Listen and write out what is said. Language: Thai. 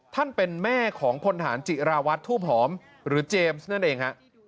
ท่านเป็นแม่ของพลฐานจิราวัตรทูบหอมหรือเจมส์นั่นเองฮะ